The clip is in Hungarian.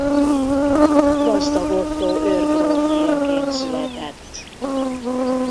Gazdag Ottó őrgróf fiaként született.